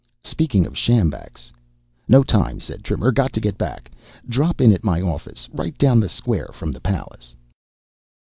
"Speaking of sjambaks ..." "No time," said Trimmer. "Got to get back. Drop in at my office right down the square from the palace."